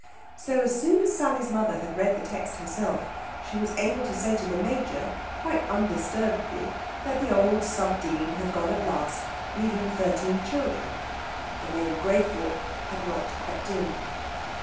So, as soon as Sally's mother had read the text herself, she was able to say to the Major, quite undisturbedly, that the old Sub Dean had gone at last, leaving thirteen children. The name Graythorpe had not crept in.